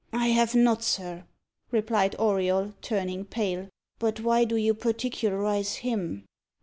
"I have not, sir," replied Auriol, turning pale. "But why do you particularise him?"